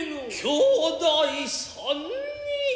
兄弟三人。